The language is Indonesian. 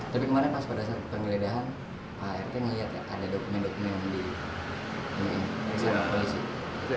tapi kemarin pas pada saat pembeledahan pak art ngelihat ya ada dokumen dokumen di smp